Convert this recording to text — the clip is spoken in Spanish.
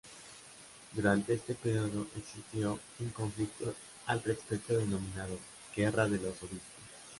Durante este período existió un conflicto al respecto denominado "Guerra de los obispos".